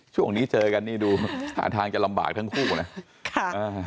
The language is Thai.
ช่วงนี้เจอกันนี่ดูหาทางจะลำบากทั้งคู่นะค่ะอ่า